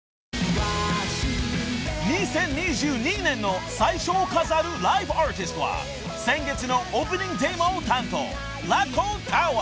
［２０２２年の最初を飾るライブアーティストは先月のオープニングテーマを担当］